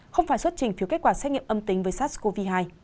không phải xuất trình phiếu kết quả xét nghiệm âm tính với sars cov hai